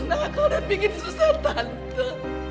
nakal dan bikin susah tante